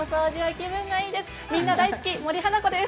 みんな大好き、森花子です。